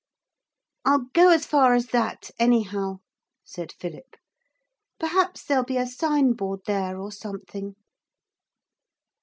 'I'll go as far as that anyhow,' said Philip; 'perhaps there'll be a signboard there or something.'